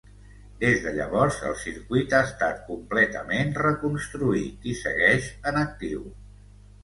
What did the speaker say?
Des de llavors el circuit ha estat completament reconstruït i segueix en actiu.